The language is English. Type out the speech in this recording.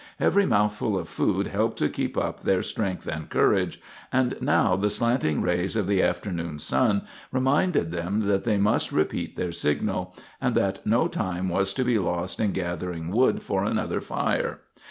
Every mouthful of food helped to keep up their strength and courage, and now the slanting rays of the afternoon sun reminded them that they must repeat their signal, and that no time was to be lost in gathering wood for another fire.